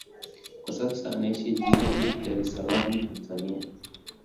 Kwa sasa anaishi jijini Dar es Salaam, Tanzania.